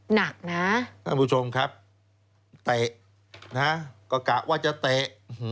หนักนะท่านผู้ชมครับเตะนะก็กะว่าจะเตะ